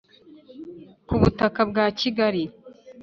kubutaka bwa kigali